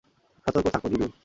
সতর্ক থাকো, ধীরু।